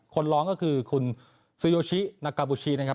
คนร้องก็คือคุณซูโยชินากาบูชินะครับ